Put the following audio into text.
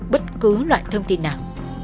bất cứ loại thông tin nào